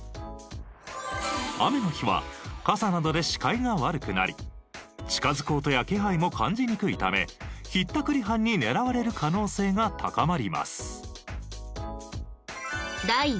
雨の日は傘などで視界が悪くなり近づく音や気配も感じにくいためひったくり犯に狙われる可能性が高まります。